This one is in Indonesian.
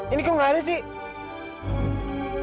ini kok nggak ada sih